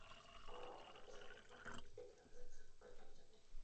ঘরোয়া প্রথম-শ্রেণীর কাউন্টি ক্রিকেটে মিডলসেক্সের পক্ষে খেলেছেন তিনি।